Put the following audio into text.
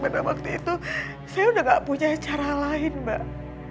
pada waktu itu saya udah gak punya cara lain mbak